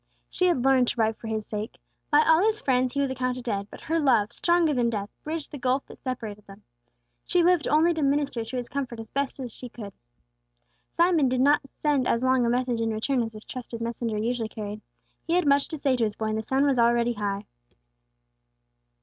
She had learned to write for his sake. By all his friends he was accounted dead; but her love, stronger than death, bridged the gulf that separated them. She lived only to minister to his comfort as best she could. Simon did not send as long a message in return as this trusted messenger usually carried. He had much to say to his boy, and the sun was already high.